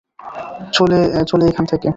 চলে এখান থেকে!